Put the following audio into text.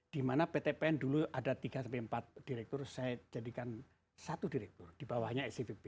di mana pt pn dulu ada tiga sampai empat direktur saya jadikan satu direktur di bawahnya scb